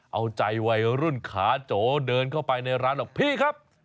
เอาใจวัยรุ่นขาโจเดินเข้าไปในร้านบอกพี่ครับ